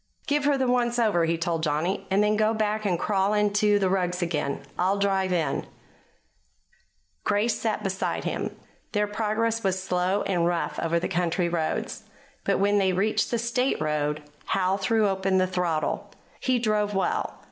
"Give her the 'once over,'" he told Johnny, "and then go back and crawl into the rugs again. I'll drive in." Grace sat beside him. Their progress was slow and rough over the country roads, but when they reached the State road Howe threw open the throttle. He drove well.